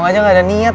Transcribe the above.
nanti kita lihat